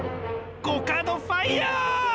コカドファイア！